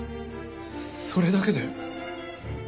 それだけで。